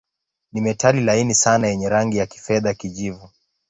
Ni metali laini sana yenye rangi ya kifedha-kijivu.